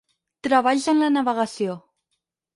Treballs en la navegació.